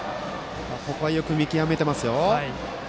ここはよく見極めてますよ。